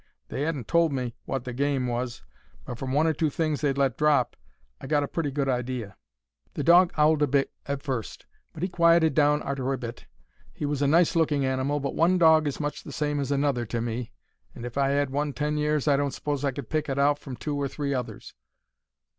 They 'adn't told me wot the game was, but, from one or two things they'd let drop, I'd got a pretty good idea. The dog 'owled a bit at fust, but he quieted down arter a bit. He was a nice looking animal, but one dog is much the same as another to me, and if I 'ad one ten years I don't suppose I could pick it out from two or three others.